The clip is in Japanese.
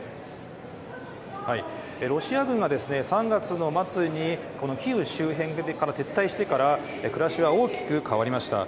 ロシア軍は３月の末に、このキーウ周辺から撤退してから、暮らしは大きく変わりました。